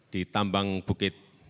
di tambang bukit